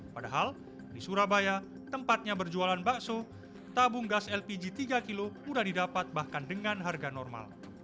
padahal di surabaya tempatnya berjualan bakso tabung gas lpg tiga kg mudah didapat bahkan dengan harga normal